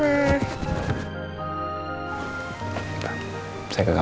masya allah kenapa ya